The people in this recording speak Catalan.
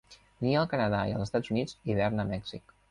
Nia al Canadà i als Estats Units i hiverna a Mèxic.